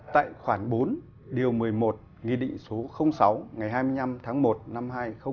tại khoản bốn điều một mươi một nghị định số sáu ngày hai mươi năm tháng một năm hai nghìn một mươi